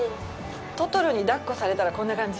トトロに抱っこされたら、こんな感じ？